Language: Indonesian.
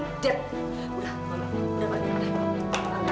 udah mami udah mami